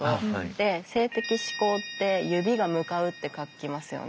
で「性的指向」って「指」が「向かう」って書きますよね。